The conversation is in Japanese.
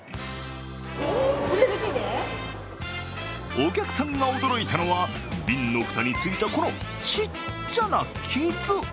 お客さんが驚いたのは瓶の蓋についてこのちっちゃな傷。